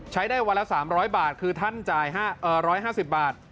ได้วันละ๓๐๐บาทคือท่านจ่าย๑๕๐บาท